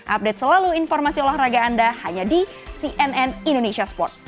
update selalu informasi olahraga anda hanya di cnn indonesia sports